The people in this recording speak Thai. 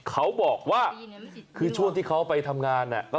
เขาบอกว่าคือช่วงที่เขาไปทำงาน